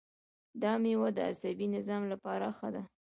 دا میوه د عصبي نظام لپاره ښه ده.